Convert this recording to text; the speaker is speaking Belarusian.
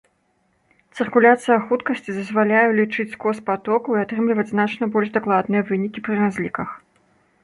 Цыркуляцыя хуткасці дазваляе ўлічыць скос патоку і атрымліваць значна больш дакладныя вынікі пры разліках.